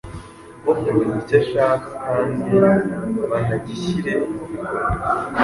bwo kumenya icyo ishaka kandi banagishyire mu bikorwa.